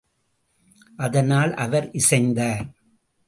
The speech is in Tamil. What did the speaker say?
அதனால் அவர் இசைந்தார்.